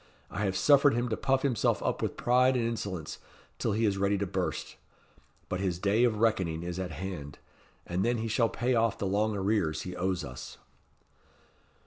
I have suffered him to puff himself up with pride and insolence, till he is ready to burst. But his day of reckoning is at hand, and then he shall pay off the long arrears he owes us."